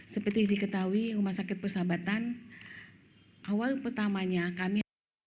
seperti diketahui rumah sakit persahabatan awal pertamanya kami